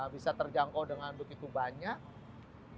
bisa terjangkau dengan begitu banyak